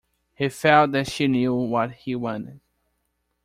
He felt that she knew what he wanted.